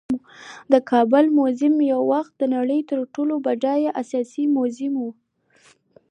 د کابل میوزیم یو وخت د نړۍ تر ټولو بډایه آسیايي میوزیم و